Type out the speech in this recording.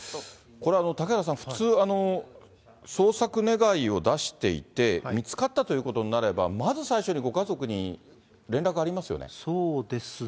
これ、嵩原さん、捜索願を出していて、見つかったということになれば、まず最初にご家族に連絡がありますよね。